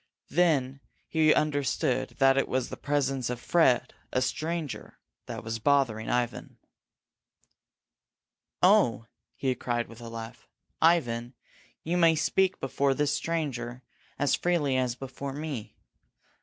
Then he understood that it was the presence of Fred, a stranger, that was bothering Ivan. "Oh!" he cried, with a laugh. "Ivan, you may speak before this stranger as freely as before me.